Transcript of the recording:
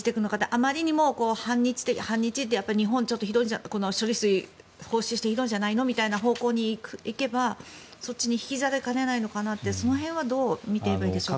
あまりにも反日って処理水放出はひどいんじゃないのみたいな方向に行くのであればそっちに引きずられかねないのかなとその辺はどう見ていけばいいでしょうか？